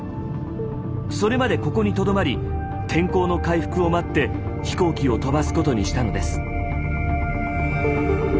それまでここにとどまり天候の回復を待って飛行機を飛ばすことにしたのです。